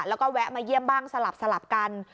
แล้วก็แวะมาเยี่ยมบ้างสลับกัน